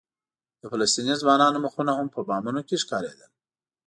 د فلسطیني ځوانانو مخونه هم په بامونو کې ښکارېدل.